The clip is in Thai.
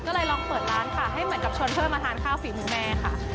ก็เลยลองเปิดร้านค่ะให้เหมือนกับชวนช่วยมาทานข้าวฝีมือแม่ค่ะ